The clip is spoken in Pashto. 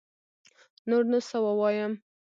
نور نو سه ووايم